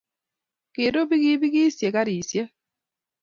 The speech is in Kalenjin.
kirub pikipikisiek karisiek.